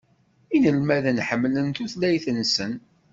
Inelmaden ḥemmlen tutlayt-nsen.